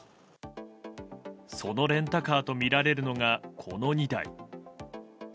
そのレンタカーとみられるのがこの２台。